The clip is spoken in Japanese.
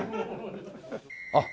あっ！